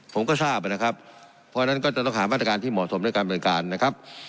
ผมก็ทราบนะครับเพราะฉะนั้นก็จะต้องหาบรรษการที่เหมาะสมด้วยกันเหมือนกันนะครับ